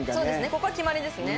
ここは決まりですね。